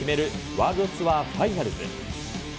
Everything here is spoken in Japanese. ワールドツアー・ファイナルズ。